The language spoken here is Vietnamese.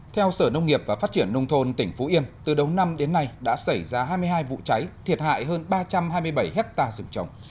theo sở nông nghiệp và phát triển nông thôn tỉnh phú yên từ đầu năm đến nay đã xảy ra hai mươi hai vụ cháy thiệt hại hơn ba trăm hai mươi bảy hectare rừng trồng